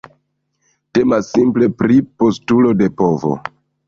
Temas simple pri postulo de povo.